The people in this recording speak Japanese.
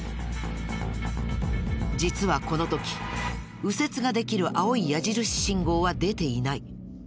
実はこの時右折ができる青い矢印信号は出ていない。